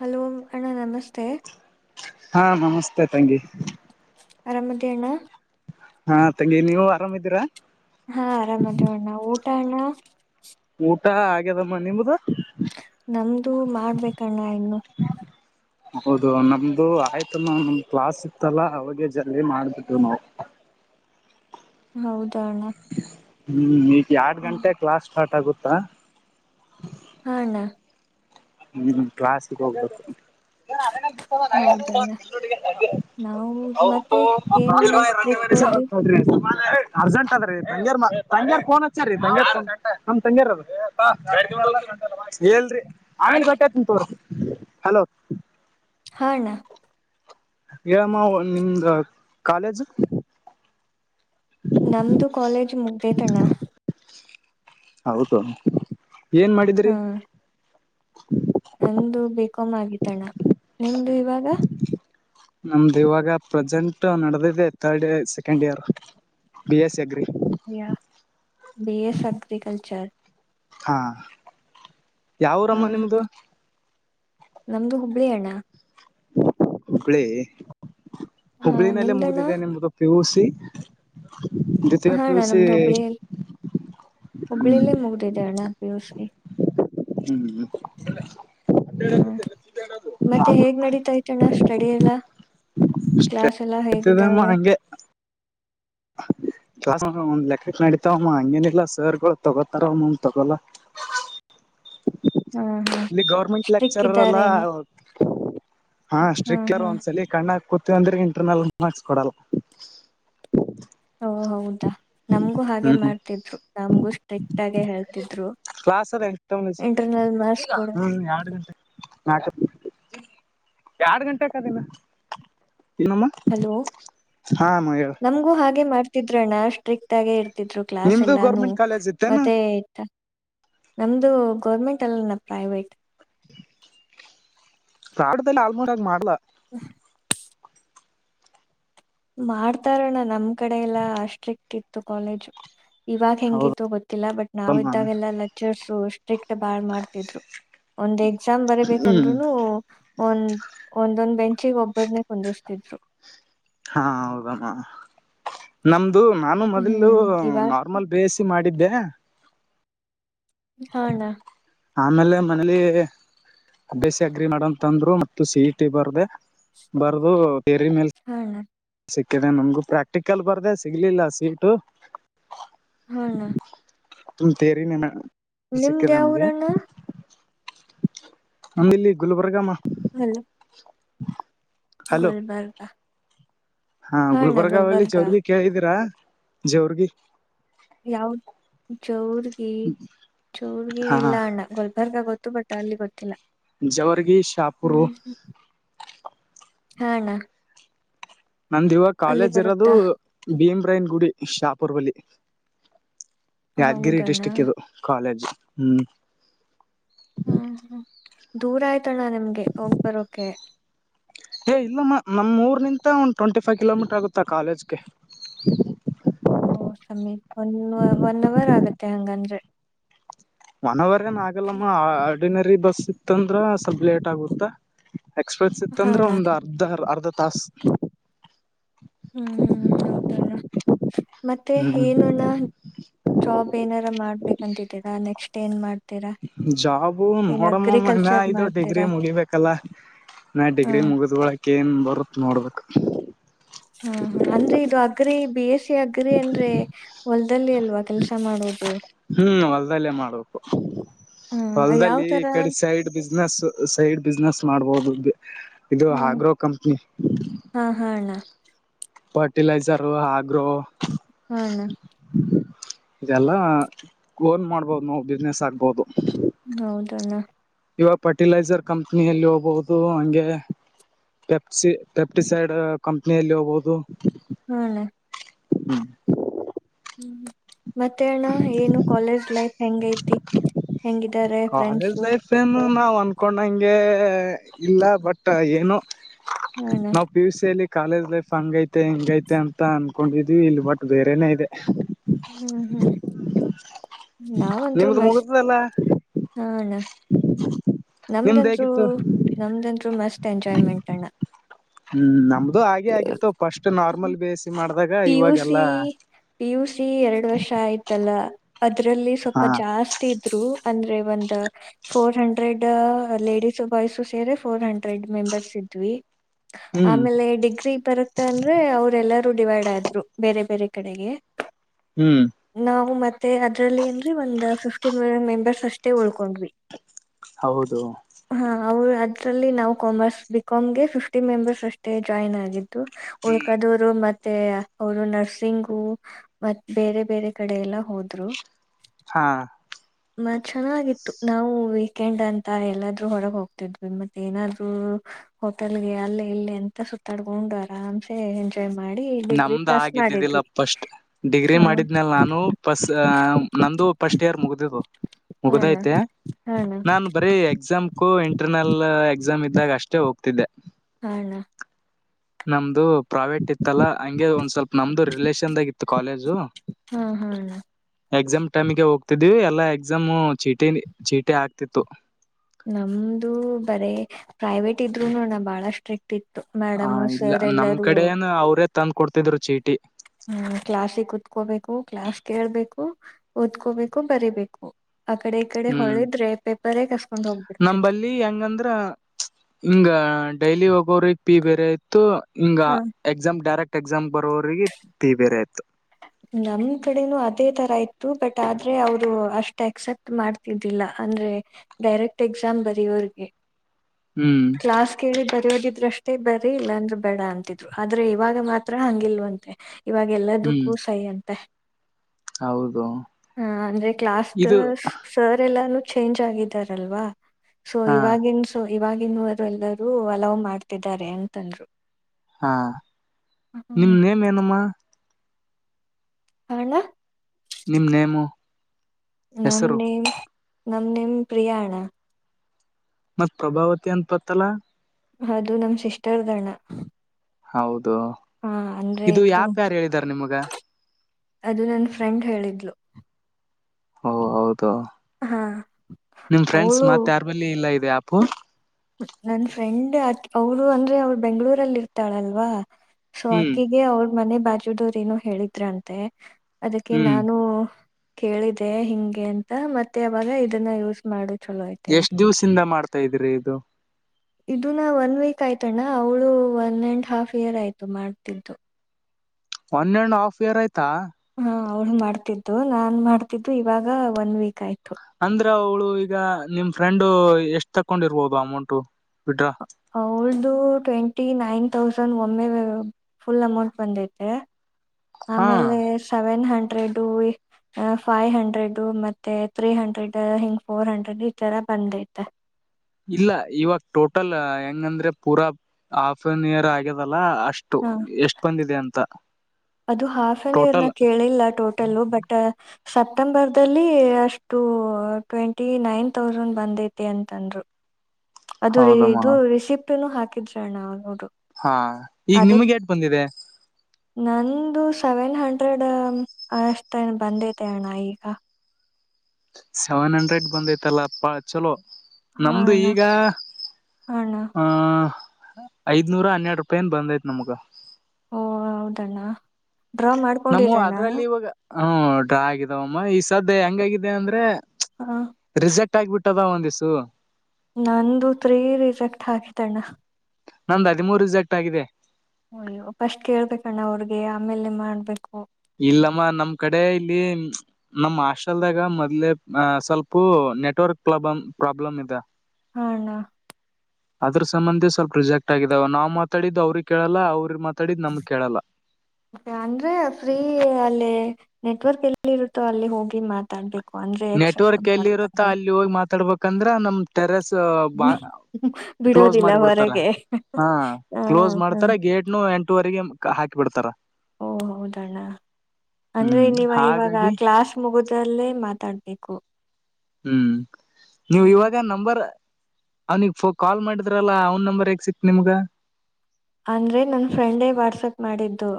Hello ಅಣ್ಣ ನಮಸ್ತೆ ಹಾ ನಮಸ್ತೆ ಮತ್ತೆ ತಂಗಿ ಆರಾಮದ್ಣ ಹಾ ತಂಗಿ ನೀವು ಆರಾಮ ಇದಿದ್ರಾ ಟ್ಟಾಣ ಊಟ ಹ ಆಗ್ಯದಮ್ಮ ನಿಮ್ದ ನಮ್ದು ಮಾಡ್ಬೇಕಣ್ಣ ಇನ್ನು ಹೌದು ನಮ್ದು ಆಯ್ತಮ್ಮ ನಮ್ದ್ ಕ್ಲಾಸ್ ಇತ್ತಲ್ಲ ಅವಾಗೆ ಜ ಮಾಡ್ಬಿಟ್ಟು ನಾವು ಹೌದಾಣ ಹ್ಮ್ ಎರಡು ಗಂಟ ಕ್ಲಾಸ್ ಸ್ಟಾರ್ಟ್ಗುತ್ತೆ ಹ ಹಾ ಅಣ್ಣಾ ಹ್ಮ್ ಕ್ಲಾಸಿಗೆ ಹೋಗ್ಬೇಕು ಹೌದಣ್ಣ ನಾವು [inaudible] ಮತ್ತೆ ಏನು ಟ್ರಿಪ್ ಹೋದು ಅರ್ಜೆಂಟ್ ಅದ್ರೀ ತಂಗ್ಯರ್ ಮ ತಂಗ್ಯರ್ ಪೋನ್ ಹಚ್ಚೀ ತಂಗಿರ್ ನಮ ತಂಗ್ಯಾರ ಹೇಳರಿ ಆಮೇಲೆ ಗಟ್ಟೆತ ತರು ಹಲೋ ಹಣ ಮ್ಮ ನಿಮ್ದ ಕಾಲೇಜು ನಮ್ದು ಕಾಲೇಜ್ ಮುಗ್ದೇತಣ. ಹೌದು. ಏನ್ ಮಾಡಿದ್ರಿ. ಹ್ಮ್. ಅಂದು ಬಿಕೊಮ್ಮ್ ಆಗಿತಣ್ಣ ನಿಮ್ದು ಇವಾಗ. ನಮ್ದು ಇವಾಗ ಪ್ರೆಸೆಂಟ್ ನಡೆದಿದೆ ರ್ಡ್ ಇರ್ second year B S C agri. Yeah. B S agriculture. ಹಾ ಹಾ ಯಾವರಮ್ಮ ಹಾ ನಿಮ್ದು. ನಮ್ದು ಹುಬ್ಬಳಿ ಅಣ್ಣ. ಹುಬ್ಳಿ. ಹಾ ಹುಬ್ಬಳಿನಲ್ಲೇ ನಿಮ್ದಣ್ಣ ಮುಗ್ದಿದೆ ನಿಮದುು ಪಿಯೂಸಿ,. [inaudible] ಹ್ಮ್ ಹಣ್ಣ ನಮ್ದು ಹುಬ್ಬಳಿಯ ಹ್ಮ್ ಹುಬ್ಬಳಿಲ್ಲೇ ಮುಗ್ದಿದೆ ಅಣ್ಣ. P U C. ಹ್ಮ್ ಹ್ಮ ಮತ್ತೆ ಹೇಗ್ ನಡೀತಾ ತಣ ಸ್ಟಡಿ ಎಲ್ಲ. ಕ್ಲಾಸ್ ಎಲ್ಲ ಇಷ್ಟತದ ಅಮ್ಮ ಹೇಗಿದ್ದಾವೆ ಅಂಗೇ. ಕ್ಲ ಒಂದ್ ಲೆಕ್ಕಕ್ ನಡತಾವಮ್ಮ ಹಂಗೇನಿಲ್ಲಾ ಸರ್ಗಳು ತಗೋತಾರ ಅಮ್ಮಂಗ ತಗೊಲ್ಲ. ಹ್ಮ್ ಹ್ಮ್ ಇಲ್ಲಿ ಗೌರ್ಮೆಂಟ್ ಸ್ಟ್ರಿಕ್ ಲೆಕ್ಚರರ್ ಎಲ್ಲ ಇದ್ದಾರೇನು ಹ ಹ್ಮ್ ಸ್ಟ್ರಿಕ್ಟ್ ಹ್ಮ್ ಒಂದ್ಸಲ ಕಣ್ಣಕಿ ಕು ಅಂದ್ರ ಇಂಟರ್ನಲ್ ಮಾರ್ಕ್ಸ್ ಕೊಡಲ್ಲ. ಓ ಹೌದಾ ನಮ್ಗೂ ಹಾಗೆ ಹ್ಮ್ ಮಾಡ್ತಿದ್ರು ನಮಗೂ ಸ್ಟ್ರಿಕ್ಟ್ ಆಗೆ ಹೇಳ್ತಿದ್ರು ಕ್ಲಾಸ್ ಅದ ಹ್ಮ್ ಇಂಟರ್ನಲ್ ಮಾರ್ಸ್ ಕೊಡ. [unintelligible] ಎರ್ಡ್ ಗಂಟೆಕ ಅದ ಇನ್ನಾ. ಹಲೋ ಹಾ ಅಮ್ಮ ಹೇಳ ನಮ್ಗೂ ಹಾಗೆ ಮಾಡ್ತ ತಿದ್ರಣ ಸ್ಟಿಟ್ ಆಗಿ ಇರ್ತ ದ್ರು ಕ್ಲಾಸ್ ನಿಮ್ದು ಎಲ್ಲಾನು ಗೌರ್ಮೆಂಟ್ ಕಾಲೇಜ್ ಇತ್ತೇನು ಮತ್ತೆ ಇ ನಮ್ದು ಗೌರ್ಮೆಂಟ್ ಅಲ್ಲನ ಪ್ರೈವೇಟ್. [unintelligible] ರಾಡದಲ್ಲಿ ಆಲ್ಮೋರ ಆಗ ಮಾಡ್ಲಾ. ಹ್ಮ. ಮಾಡ್ತಾರಣ್ಣ ನಮ್ ಕಡೆ ಎಲ್ಲಾ ಅ ಸ್ಟ್ರಿಕ್ಟ್ ಇತ್ತು ಕಾಲೇಜು. ಇವಾಗ ಹೌದಮ್ಮ ಹೆಂಗಿತ್ತು ಗೊತ್ತಿಲ್ಲ ಬಟ್ ನಾವ ಇದ್ದಾಗೆಲ್ಲ ಲೆಚರ್ಸು ಅ. ಸ್ಟಿಕ್ಟ್ ಬಾಳ್ ಮಾಡ್ತಿದ್ರು. ಒಂದ್ ಎಕ್ಸಾಮ್ ಹ್ಮ್ ಬರಬೇಕಂದ್ರುನು ಒಂದ್ ಒಂದೊಂದ್ ಬೆಂಚ್. ಬೆಂಚೆಗ್ ಒಬ್ಬರನ್ನೇ ಕುಂದಸ್ತಿದ್ರು. ಹಾ ಹೌದಮ್ಮ ನಮ್ದ ಇದು ನಾನು ಮೊದಲು ಹ್ಮ್ ಇವಾಗ ನಾರ್ಮಲ್ ಬೇಸ್ ಮಾಡಿ ಿದ್ದೆ ಹಣ ಆಮೇಲೆ ಮನಲಿ ಅಬ್ಯಸ ಅಗ್ರಿ ಮಾಡಂತಂತಂದ್ರು ಮ ಸಿ ಇ ಟಿ ಬರ್ದೆ ಬರ್ದು ಥಿಯರಿ ಮೇಲ್ ಹ ಸಿಕ್ಕಿದೆ ನಮಗು ಪ್ರಾಕ್ಟಿಕಲ್ ಬರ್ದೆ ಸಿಗ್ಲಿಲ್ಲ ಸೀಟು ಹೌ ತೇರಿ ನಿಮ್ಮ ನಿಮ್ದ ಯಾವರಣ್ಣ ನಂದಿಲ್ಲಿ ಗುಲ್ಬರ್ಗಮ್ಮ ಹಲೋ [inaudible] ಹಲೋ ಗುಲ್ಬರ್ಗ ಹಾ ಹಾಣ್ಣ ಗುಲ್ಬರ್ಗಾವಳ್ಳಿ ಚ ಗುಲ್ಬರ್ಗ ಅವ್ರಗೆ ಕೇಳಿದ್ದೀರಾ ಜೋರ್ಗ ಯಾವ ಜೋರ್ ಚೂರ್ಗೆ ಹಾ ಇಲ್ಲ ಅಣ್ಣ ಗಲ್ಪ ಬರ್ಗ ಗೊತ್ತು ಬಟ್ ಅಲ್ಲಿ ಗೊತ್ತಿಲ್ಲ ಜಾವು ಗ ಶಾಪುರು ಹಾಣಾ ನಮ್ದ ಇವಾಗ ಕಾಲೇಜ್ ಇರೋದು ಭೀಮ ರೈನ್ ಗುಡಿ ಶಾಪುರ್ ಬಲಿ ಯಾದಗಿರಿ ಹೌದಣ್ಣ ಡಿಸ್ಟ್ರಿಕ್ ಇದು ಕಾಲೇಜ್ ಹ್ಮ್ ಹ್ಮ್ ಹ್ಮ್ ದೂರ ಆಯ್ತಣ್ಣ ನಿಮ್ಗೆ ಹೋಗ್ ಬರೋಕೆ ಏ ಇಲ್ಲಮ್ಮ ನಮ್ಮ್ ಊರ್ ನಿಂತ ಒಂದ್ ಟ್ವೆಂಟಿ ಫೈವ್ ಕಿಲೋಮೀಟರ್ ಆಗುತ್ತಾ ಕಾಲೇಜ್ಗೆ ಓ ಸಮೀಪ್ ಒನ್ ಒನ್ ಅವರ್ ಆಗತ್ತೆ ಹಂಗಂದ್ರೆ ಒನ್ ಅವರ್ ಏನ್ ಆಗಲ್ಲಮ್ಮ ನ ಬಸ್ ಇತ್ತಂದ್ರ ಸ್ವಲ್ ಲೇಟ್ ಆಗುತ್ತಾ ಎಕ್ಸ್ಪ್ರೆಸ್ ಇತ್ತ ಹಾ ಅಂದ್ರೆ ಅಣ್ಣ ಒಂದ್ ಅರ್ಧರ್ ಅರ್ಧ ಪಸ್ ಹ್ಮ್ ಹ್ಮ್ ಹೌದಣ್ಣ ಮತ್ತೆ ಹ್ಮ್ ಏನುಣ ಡ್ರಾಬ್ ಏನಾರ ಮಾಡ್ಬೇಕಂತಿದ್ದೀರಾ ನೆಕ್ಸ್ಟ್ ಟನ್ ಮಾಡ ಜಾಬು ನೋಡಮ್ಮಮ್ಮನಾ ಅಗ್ರಿಕಲ್ಚರ್ ಇದು ಡಿಗ್ರಿ ಮಾಡ್ತೀರಾ ಮುಗಿಬೇಕಲ್ಲ ನಾ ಡಿಗ್ರಿ ಹ್ಮ್ ಮುಗುದ್ ಒಳ ಕ್ಕೇನ್ ಬರುತ್ ನೋಡ್ಬೇಕ ಹಾ ಹ ಅಂದ್ರೆ ಇದು ಆ ಗ್ರೀಬೀಿಸ ಅಗ್ರಿ ಅಂದ್ರೆ ಹೊಲ್ದಲ್ಲಿ ಅಲ್ವಾ ಕೆಲ್ಸ ಮಾಡುವುದು ಹ್ಮ್ ಹೊಲ್ದಲ್ಲೇ ಮಾಡ್ಬೇಕು ಹ್ಮ್ ಯಾವ್ ಹೊಲ್ದಲ್ಲಿ ಈ ತರ ಕಡೆ ಸೈಡ್ ಬಿಸ್ನೆಸ್ ಸೈಡ್ ಬಿಸ್ನೆಸ್ ಮಾಡ್ಬೋದು ಇದು ಹ್ಮ್ ಆಗ್ರೋ ಕಂಪ್ನಿ ಹಾ ಹಾ ಅಣ್ಣ ಫರ್ಟಿಲೈಸರ್ ಆ್ರೋ ಹಣ ಇದೆಲ್ಲ ಓನ್ ಮಾಡ್ಬೋದು ನವು ಬಿಸ್ನೆಸ್ ಆಗ್ಬೋದು ಹೌದು [inaudible] ಇವಾಗ ಫರ್ಟಿಲೈಸರ್ ಕಂಪ್ನಿಯಲ್ಲಿ ಹೋಗಬಹುದು ಹಂಗೆ ಪೆಪ್ ಪೆಪ್ಟಿಸೈಡ್ ಕಂಪ್ನಿಯಲ್ಲಿ ಹೋಗಬಹುದು ಹ್ಮಲ್ಲ ಹ್ಮ್ ಹ್ಮ್್ಮ ಮತ್ತೆ ಅಣ್ಣ ಏನು ಕಾಲೇಜ್ ಲೈಫ್ ಹೆಂಗ ೈತಿ ಹೆಂಗಿದ್ದಾರೆ ಕಾಲೇಜ್ ಫ್ರೆಂಡ್ಸು ಲೈಫ್ ಏನು ನಾವ್ ಅನ್ಕೊಂಡಂಗೆ ಇಲ್ಲ ಬಟ್ ಏನು ಹಾ ಅಣ್ಣ ನಾವು ಪಿಯುಷ್ ಸೈಲಿ ಕಾಲೇಜ್ ಲೈಫ್ ಹಂಗ ೈತೆ ಹೆಿಂಗೈಐತೆ ಅಂತ ಅನ್ಕೊಂಡಿದ್ವಿ ಇಲ್ ಬಟ್ ಬೇರೆನೇ ಇದೆ ಹ್ಮ್ ಹ್ಮ್ ನಾವಂದರು ನಿಮ್ದು ಮಸ್ತ್ ಮುಗ್ದದಲ್ಲ ಹ ನಿಮ್ದ್ ನಮ್ದಂದ್ರು ಹೇಗಿತ್ತು ನಮ್ದಂದ್ರು ಮಸ್ತ್ ಎಂಜಾಯ್ಮೆಂಟ್ ಅಣ್ಣ ಹ್ಮ್ ನಮ ಅದು ಹಾಗೆ ಆಗಿತ್ತು ಫಸ್ಟ್ ನಾರ್ಮಲ್ ಬೇಸಿ ಮಾಡ P U C P U C ಎರಡು ವರ್ಷ ಆಯ್ತಲ್ಲ ಅಲ್ಲ ಅದರಲ್ಲಿ ಸ್ವಲ್ಪ ಹಾ ಜಾಸ್ತಿ ಅಂದ್ರೆ ಒಂದ್ ಫೋರ್ ಹಂಡ್ರೆಡ್ ಲೇಡೀಸ್ ಬಾಯ್ಸ ಸೇರೆ ಫೋರ್ ಹಂಡ್ರೆಡ್ ಮೆಂಬರ್ಸ್ ಇದ್ವಿ ಹ್ಮ್ ಆಮೇಲೆ ಡಿಗ್ರಿ ಬರುತ್ತೆ ಅಂದ್ರೆ ಅವ್ರ ಎಲ್ಲಾರ ವೈಡ್ ಆದ್ರು ಬೇರೆ ಬೇರೆ ಕಡೆಗೆ ಹ್ಮ್ ನಾವು ಮ ಮತ್ತೆ ಅದ್ರಲ್ಲಿ ಏನ್ೀ ಒಂದ್ ಫಿಫ್ಟಿನ್ ಮೆಂಬರ್ಸ್ ಅಷ್ಟೇ ಉಳ್ಕೊಂಡಿ ಹೌದು ಅವರು ಅದ್ರಲ್ಲಿ ನಾವು ಕಾಮರ್ಸ್ ಬಿಿಕಾಮ್ಗೆ ಫಿಫ್ಟಿ ಮೆಂಬರ್ಸ್ ಅಷ್ಟೇ ಜಾಯ್ನ್ ಆಗಿದ್ದು ಉಳ್ಕದವರು ಮತ್ತೆ ಮತ್ತೆ ಅವ್ರು ನರ್ಸಿಂಗು ಮತ್ ಬೇರೆ ಬೇರೆ ಕಡೆ ಎಲ್ಲ ಹೋದ್ರು ಹಾ ಮತ್ ಚೆನ್ನಾಗಿತ್ತು ನಾವು ವೀಕೆಂಡ್ ಅಂತ ಎಲ್ಲಾದ್ೂ ಹೊರಗ್ ಹೋಗ್ತಿದ್ವಿ ಮತ್ತೆ ಏನಾದ್ೂ ಹೋಟೆಲ್ಗೆ ಅಲ್ಲೇ ಇಲ್ಲ ಎಂತ ಸುತ್ತಾಡ್ಕೊಂಡು ಆರಾಮ್ಸೆ ಎಂಜಾಯ್ ಮಾಡ ನಮ್ದ್ ಆಗಿದ್ದಿದ್ದಿಲ್ಲ ಪಫಸ್ಟ್ ಡಿಗ್ರಿ ಹಾ ಮಾಡಿದ್್ಮೇಲ್ ನಾನು ಪಫಸ್ ನಮ್ದು ಫಸ್ಟ್ ಇಯರ್ ಮುಗ್ದು ಹಣ ಮುಗ್ದೈತೆ ಹಣ ನಾನ್ ಬರೀ ಎಕ್ಸಾಮ್ಕೂ ಇಂಟರ್ನಲ್ ಎಕ್ಸಾಮ್ ಇದ್ದಾಗ ಅಷ್ಟೇ ಹೋಗ್ತಿದ್ದೆ ಹಣ ನಮ್ದು ಪ್ರೈವೇಟ್ ಇತ್ತಲ್ಲ ಹಗೆ ಒಂದ್ ಸ್ವಲ್ಪ ನಮ್ದು ರಿಲೇಷನ್ದಾಗ ಇತ್ತು ಕಾಲೇಜು ಹಾ ಹಣ ಎಕ್ಸಾಮ್ ಟೈಮ್ಗೆ ಹೋಗ್ತಿದ್ವಿ ಎಲ್ಲಾ ಎಕ್ಸಾಮ್ ಚೀಟಿ ಚೀಟಿ ಆಗ್ತಿತ್ತು ನಮ್ದು ಬರೇ ಪ್ರೈವೇಟ್ ಇದ್ರು ನೋಣ ಬಾಳ ಸ್ಟ್ರಿಕ್ಟ್ ಇತ್ತು ಆ ಮೇಡಮು ಇಲ್ಲ ಸರ್ ನಮ್ ಎಲ್ಲರೂ ಕಡೆ ಏನು ಅವ್ರೇ ತಂದ್ ಕೊಡ್ತಿದ್ರು ಚೀಟಿ ಹ್ಮ್ ಕ್ಲಾಸಿಗೆ ಕುೂತ್ಕೋಬೇಕು ಕ್ಲಾಸ್ ಕೇಳ್ಬೇಕು ಓದ್ಕೋಬೇಕು ಬರಿೀಬೇಕು ಆ ಕಡೆ ಈ ಕಡೆ ಹೊಳಿದ್ರೆ ಪೇಪರ್ ಕಷ್ಟ ನಮಂಬಲ್ಲಿ ಹೆಂಗಂದ್ರ ಹಿಂಗ ಡೈಲಿ ಹೋಗೋ್ರ ಪ್ಪಿ ಬೇರೆ ಆಯ್ತು ಹಂಗ ಹ ಎಕ್ಸಾಮ್ ಡೈರೆಕ್ಟ್ ಎಕ್ಸಾಮ್ ಬರೋ್ರರಿಗೆ ಟಿ ಬೇರೆ ಆಯ್ತು ನಮ ಕಡೆನೂ ಅದೇ ತರ ಇತ್ತು ಬಟ್ ಆದ್ರೆ ಅವರು ಅಷ್ಟು ಅಕ್ಸೆಪ್ಟ್ ಮಾಡ್ತಿದ್ದಿಲ್ಲ ಅಂದ್ರೆ ಡೈರೆಕ್ಟ್ ಎಕ್ಸಾಮ್ ಬರೋರ್ಗೆ ಹ್ಮ್ ಕ್ಲಾಸ್ ಕೇಳಿ ಬರೆಯೋದ ಷ್ಟೇ ಬರ ಇಲ್ಲಾಂದ್ರ ಬೇಡ ಅಂತಿದ್ರು ಆದ್ರೆ ಇವಾಗ ಮಾತ್ರ ಹಂಗಿಲ್ವಂತೆ ಕವಾಗಲ್ಲ ದುಃ ಹ್ಮ್ ಕೂ ಸೈ ಅಂತೆ ಹೌದು ಹ ಅಂದ್ರೆ ಕ್ಲಾಸ್ ಇದು ಸರ್ ಎಲ್ಲಾನು ಚೇಂಜ್ ಆಗಿದ್ದಾರಲ್ವಾ ಸೊ ಹಾ ಇವಾಗಿನ್ಸೊ ಇವಾಗಿನವರು ಎಲ್ಲರೂ ಅಲವ್ ಮಾಡ್ತಿದ್ದಾರೆ ಅಂತಂದ್ರು ಹಾ ನಿಮ ಹ್ಮ್ ನೇಮ್ ಏನಮ್ಮ ಹ್ಣ ನಿಮ ನೇಮು ಹೆಸರು ನಮ್ಮನೆ ನಮ್ ನಿಮ್ ಪ್ರಿಯಾಣ ಮತ್ತ್ ಪ್ರಭಾವತಿ ಅನ್ಪತ್ತಲ್ಲ ಅೌದು ನಮ ಸಿಸ್ಟರ್ ಗಣ ಹೌದು ಅದು ಇದು ಯಾಪ ಯಾರು ಹೇಳಿದಾರ ನಿಮ್ಗ ಅದು ನನ್ನ ಫ್ರೆಂಡ್ ಹೇಳಿದ್ಲು ಓ ಹೌದು ಹಾ ನಿಮ್ ಫ್ರೆಂಡ್ಸ್ ಅವಳು ಮತ್ತ ಯಾರ ಮಲ್ಲಿ ಇಲ್ಲ ಇದೆ ಅಪ್ಪ ನನ್ ಫ್ರೆಂಡ್ ಅವರು ಅಂದ್ರೆ ಅವರು ಬೆಂಗ್ಗಳೂರಲ್ಲಿ ಇರ್ತಾಳಲ್ವಾ ಸೊ ಹ್ಮ್ ಅಕ್ಕಿಗೆ ಅವ್ರ ಮನೆ ಬ ುಡೋರ್ ಏನು ಹೇಳಿದ್ರಂತೆ ಅದಕ್ಕೆ ಹ್ಮ್ ನಾನು ಕೇಳಿದೆ ಹಿಂಗೆ ಅಂತ ಮತ್ತೆ ಅವಾಗ ಇದನ್ನ ಯೂಸ್ ಮಾಡುದು ಎಷ್ಟ್ ದಿವ್ಸಿಂದ ಮಾಡ್ತ ತ ಇದ್ರಿ ಇದು ಇದನ ಒನ್ ವೀಕ್ ಆಯ್ತಣ್ಣ ಅವಳು ಒನ್ ಅಂಡ್ ಹಾಫ್ ಇಯರ್ ಆಯ್ತು ಮಾಡ್ತಿದ್ದು ಒನ್ ಅಂಡ್ ಹಾಫ್ ಇಯರ್ ಆಯತು ಕತ್ತ ಅವ್ಳು ಮಾಡ್ತಿದ್ದು ನಾನ್ ಮಾಡ್ತಿದ್ದು ಇವಾಗ ಒನ್ ವೀಕ್ ಆಯ್ತು ಅಂದ್ರ ಅವಳು ಈಗ ನಿಮ್ ಫ್ರೆಂಡು ಎಷ್ಟ್ ತಕೊಂಡಿರ್ಬೋದು ಅಮೌಂಟು ಬಿಡ್ರಾ ಅವಳ್ದು ಟ್ವೆಂಟ ್ಟಿ ನೈನ್ ತೌಸಂಡ್ ಒಮ್ಮೆ ಫುಲ್ ಅಮೌಂಟ್ ಬಂದೈತೆ ಹಾ ಆಮೇಲೆ seven hundred five hundred ಮತ್ತೆ ತ್ರೀ ಹಂಡ್ರೆಡ್ ಹಿಂಗ ಫೋರ್ ಹಂಡ್ರೆಡ್ ಈ ತರ ಬಂದೈತೆ ಇಲ್ಲ ಇವಾಗ ಟೋಟಲ್ ಹೆಂಗಂದ್ರೆ ಪೂರಾ ಆಫ್ ಅನ್ ಇಯರ್ ಆಗ್ಯದಲ್ಲ ಅಷ್ಟು ಹ ಎಷ್ಟು ಬಂದಿದೆ ಅಂತ ಅದು ಹಾಫ್ ಆನ್ ಇರ್ ನ ಟೋಟಲ್ ಕೇಳಿಲ್ಲ ಟೋಟಲ್ಲ ಬಟ್ ಸೆಪ್ಟಂಬರ್ದಲ್ಲಿ ಅಷ್ಟು ಟ್ವೆಂಟಿ ನೈನ್ ತೌಸಂಡ್ ಬಂದೈತೆ ಅಂತಂದರು ಅದು ಹೌದಮ್ಮ ಇದು ರಿಷಿಪ್್ಟ ಹಾಕಿದ್ರಣ ನ ಹಾ ಈಗ ನಿಮ್ಗೆ ಟು ಬಂದಿದೆ ನಂದು ಸೆವೆನ್ ಹಂಡ್ರೆಡ್ ಅಷ್ಟ ಬಂದಿದೆ ಅಣ್ಣ ಈಗ ಸೆವೆನ್ ಹಂಡ್ರೆಡ್ ಬಂದೈತಲ್ಲಪ್ಪ ಚಲೋ ಹಾ ನಮ್ದು ಅಣ್ಣ ಈಗ ಹಾ ಅಣ್ಣ ಆಹ ಐದ್ನೂರ ಹನ್ನೆರಡು ರೂಪಾಯನ್ ಬಂದೈ್ತ್ ನಮ್ಗ ಓ ಹೌದಣ್ಣ ಡ್ರಾ ನಮ್ಮ ಮಾಡ್ಕೊಂಡಿರಣ್ಣ ಅದ್ರಲ್ಲಿ ಇವಾಗ ಹ್ಮ ಡ್ರಾ ಆಗಿದಾವಮ್ಮ ಈ ಸಧ್ಯ ಹೆಂಗಿದೆ ಅಂದ್ರೆ ಹ ರಿಸೆಕ್ಟ್ ಆಗಬಿಟ್ಟು ಕದ ಒಂದಿಸು ನಂದುತ್ೀ ರರಿಜಕ್ಟ್ ಹಾಕಿದ್ದ್ಣ ನ್ದು ಹದಿಮೂರು ಜೆಕ್ಟ್ ಆಗಿದೆ ಅಯ್ಯೋ ಫಸ್ಟ್ ಕೇಳ್ಬೇಕಣ್ಣ ಅವ್ರಿಗೆ ಆಮೇಲೆ ಮಾಡ್ಬೇಕು ಇಲ್ಲಮ್ಮ ನಮ್ ಕಡೆ ಇಲ್ಲಿ ನಮ ಹಾಸ್ಟೆಲ್ದಾಗ ಮೊದ್ಲೆ ಅ ಸ್ವಲ್ಪು ನೆಟ್ವರ್ಕ್ ಪ್ರಾ ಪ್ರಾಬ್ಲಮ್ ಇದೆ ಹಣ ಅದ್ರ ಸಂಬಂಧಿ ಸ್ವಲ್ಪ ಪ್ರೊಜೆಕ್ಟ್ ಆಗಿದಾವ ನಾ್ ಮಾತಾಡಿದ್ದು ಅವ್ರಿಗೆ ಕೇಳಲ್ಲ ಅವ್ರ ಮಾತಾಡಿದ್ ನಮ್ಗ್ ಕೇಳಲ್ಲ ಅನ್್ರೆಫ್ರೀ ಅಲ್ಲಿೇ ನೆಟ್ವರ್ಕ್ ಎಲ್ಲಿ ಇರುತ್ತೋ ಅಲ್ಲಿ ಹೋಗಿ ಮಾತಾಡ್ಬೇಕು ಅಂದ್ರೆ ಎಕ್ಸೆಪ್ಟ್ ನೆಟ್ವರ್ಕ್ ಎಲ್ಲಿ ಇರುತ್ತಾ ಮಾಡ್ತಾರೆ ಅಲ್ಲಿ ಹೋಗಿ ಮಾತಾಡ್ಬೇಕಂದ್ರ ನಮ್ ಟೆರಸ್ ಬ ಕ್ಲೋಸ್ ಬಿಡೋದಿಲ್ಲ ಮಾಡಿಬಿಡ್ತಾರ ಹೊರಗೆ ಹ ಹ ಕ್ಲೋಸ್ ಹ ಮಾಡ್ತಾರ ಗೇಟ್ನು ಎಂಟುವರೆಗೆ ಹಾಕಿ ಬಿಡ್ತಾರ ಓ ಹೌದಣ್ಣ ಅಂದ್ರೆ ಹ್ಮ್ ನೀವ ಇವಾಗ ಹಾಗಾಗಿ ಕ್ಲಾಸ್ ಮುಗುದಲ್ಲೇ ಮಾತಾಡ್ತ ಕ್ಕು ಹ್ಮ್ ನೀವು ಇವಾಗ ನಂಬರ್ ಅವನಿಿಗೆೋ ಕಾಲ್ ಮಾಡಿದ್ರಲ್ಲ ಅವನ್ ನಂಬರ್ ಎಕ್ಸತ್ ನಿಮ್ಗ ಅಂದ್ರೆ ನನ್ನ ಫ್ರೆಂಡೇ ವಾಟ್ಸಪ್ ಮಾಡಿದ್ದು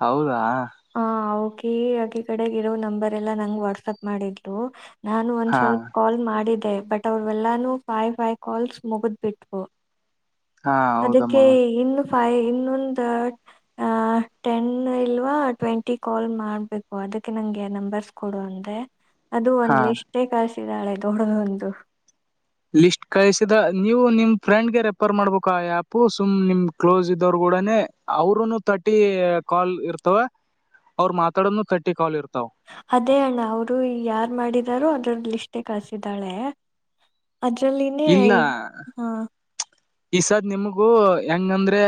ಹೌದಾ ಹಾ ಓಕೆ ಈ ಹಿ ಕಡೆ ಇರೋ ನಂಬರ್ ಎಲ್ಲಾ ನಂ್ ವಾಟ್ಸಪ್ ಮಾಡಿದ್ಲು ನಾನು ಒಂದ್ ಹಾ ಸ್ವಲ್ಪ ಕಾಲ್ ಮಾಡಿದ್ದ ಬಟ್ ಅವ್ರೆಲ್ಲಾನು ಫೈ್ ಫೈ್ ಕಾಲ್ಸ್ ಮುಗದ್ ಬಿಿಟ್ು ಹಾ ಹೌದಮ್ಮ ಅದಕ್ಕೆ ಇನ್ನು ಫೈ ಇನ್ನೊಂದು ಟೆನ್ ಇಲ್ವಾ ಟ್ವೆಂಟಿ ಕಾಲ್ ಮಾಡ್ಬೇಕು ಅದಕ್ಕೆ ನಂಗೆ ನಂಬರ್ಸ್ ಕೊಡು ಅಂದೆ ಅದು ಹಾ ಒಂದ್ ಲಷ್ಟೇ ಕಷ್ಟ ನಾಳೆ ದೋಡೋದು ಒಂದು ಲಿಸ್ಟ್ ಕಳಿಸಿದ ನೀವು ನಿಮ್ ಫ್ರೆಂಡ್ಗೆ ರೆಫರ್ ಮಾಡ್ಬೇಕು ಆ ಆಪ್ು ಸುಮ್ ನಿಮ್ ಕ್ಲೋಸ್ ಇದ್ದವರು ಕೂಡನೆ ಅವರುನು ತರ್ಟಿ ಕಾಲ್ ಇರ್ತವ ಅವ್ರ ಮಾತಾಡೋನು ತರ್ಟಿ ಕಾಲ್ ಇರ್ತವ ಅದೇ ಅಣ್ಣ ಅವರು ಯಾರ್ು ಮಾಡಿದಾರೋ ಅದ್ರದಲಿ ಇಷ್ಟ ಕಸಿದ್ದಾಳೆ ಅದ್ರಲ್ಲಿನೇ ಇಲ್ಲ ಹಾ ಈ ಸದ್ ನಿಮಗೂ ಹೆಂಗಂದ್ರೆ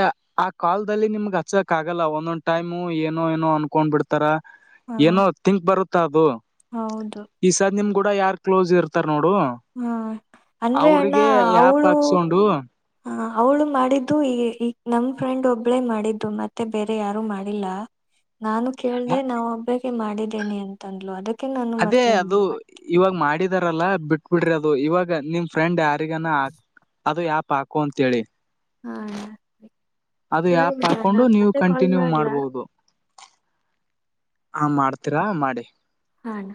ಆ ಕಲ್ದಲ್ಲಿ ನಿಮ್ಗ ಹಚ್ಚಕ್ ಆಗಲ್ಲ ಒಂದೊಂದ್ ಟೈಮು ಏನೋ ಏನೋ ಅನ್ಕೊಂಡ್ ಬಿಿಡ್ತಾರ ಹಾ ಏನೋ ತಿಂಕ್ ಬರುತ್ತೆ ತಾಬ ಹೌದು ಯಾರು ಕ್ಲೋಸ್ ಇರ್ತಾರೆ ನೋಡು ಹಾ ಅಂದ್ರೆ ಅಣ್ಣ ಅವ್ರಿಗೆ ಯಾಪ್ ಹಾಕ್ಸೊಂಡು ಹ ಅವ್ಳು ಮಾಡಿದ್ದು ಈ ಈಗ ನಮ ಫ್ರೆಂಡ್ ಒಬ್ಳೇ ಮಾಡಿದ್ದು ಮತ್ತೆ ಬೇರೆ ಯಾರು ಮಾಡಿಲ್ಲ ನಾನು ಕೇಳ್ದೆ ನಾವ್ ಹಬ್ಬ ಮಾಡಿದ್ದೇನೆ ಅಂತಂದ್ಲು ಅದಕ್ಕೆ ನಾನು ಅದೇ ಮತ್ತೆ ಅದು ನಿಮ್ಗ್ ಮಾಡ್ ಇವಾಗ ಮಾಡಿದ ಾರಲ್ಲ ಬಿಟ್ ಬಿಿಡ್ರಿ ಅದು ಇವಾಗ ನಿಮ್ ಫ್ರೆಂಡ್ ಯಾರಿಗಾನ ಅದು ಯಾಪ್ ಹಾಕು ಅಂತ ಹೇಳಿ ಹಾ ಅದು ಸರಿ ಯಾಪ್ ಅಣ್ಣ ಹಾಕೊಂಡು ನಾನು ನೀವು ಮತ್ತೆ ಕಾಲ್ ಕಂಟಿನ್ಯೂ ಮಾಡ್ಲಾ ಮಾಡ್ಬೋದು ಹಾ ಮಾಡ್ತೀರಾ ಮಾಡಿ ಹಣ